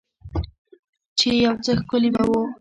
چې يو څه ښکلي به وو.